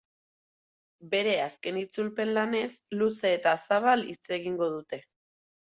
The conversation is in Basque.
Bere azken itzulpen lanez luze eta zabal hitz egingo dute.